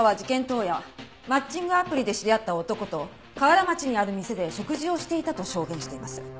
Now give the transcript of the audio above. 当夜マッチングアプリで知り合った男と河原町にある店で食事をしていたと証言しています。